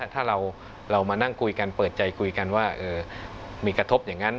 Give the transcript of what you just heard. ถ้าเรามานั่งคุยกันเปิดใจคุยกันว่ามีกระทบอย่างนั้น